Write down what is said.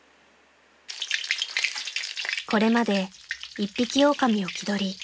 ［これまで一匹おおかみを気取り